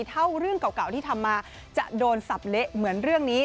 เท่าเรื่องเก่าที่ทำมาจะโดนสับเละเหมือนเรื่องนี้